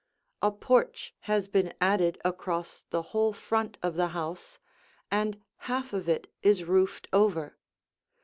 A porch has been added across the whole front of the house and half of it is roofed over.